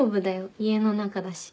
家の中だし。